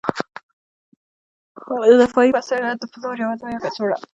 د دفاعي وسایلو د پلور یوه لویه کڅوړه